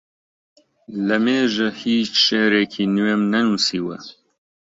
لەمێژە هیچ شیعرێکی نوێم نەنووسیوە.